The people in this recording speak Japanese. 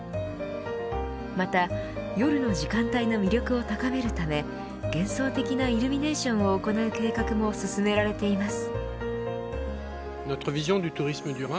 また、夜の時間帯の魅力を高めるため幻想的なイルミネーションを行う計画も進められています。